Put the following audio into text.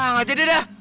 nggak jadi dah